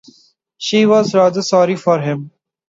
She was rather sorry for him.